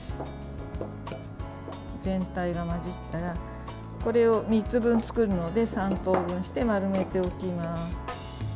全体が混ざったらこれを３つ分作るので３等分して丸めておきます。